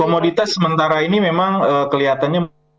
komoditas sementara ini memang kelihatannya mulai melanda ya bang